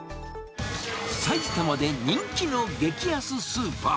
埼玉で人気の激安スーパー。